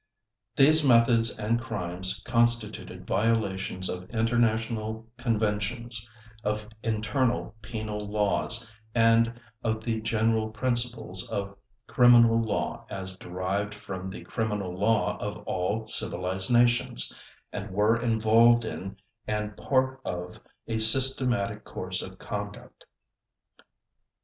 These methods and crimes constituted violations of international conventions, of internal penal laws and of the general principles of criminal law as derived from the criminal law of all civilized nations, and were involved in and part of a systematic course of conduct.